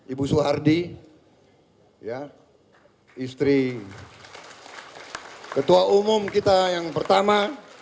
ibu soehardi istri ketua umum kita yang pertama